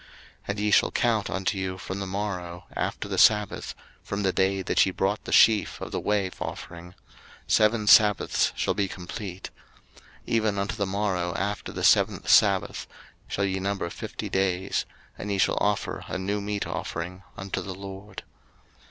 03:023:015 And ye shall count unto you from the morrow after the sabbath, from the day that ye brought the sheaf of the wave offering; seven sabbaths shall be complete: 03:023:016 Even unto the morrow after the seventh sabbath shall ye number fifty days; and ye shall offer a new meat offering unto the LORD.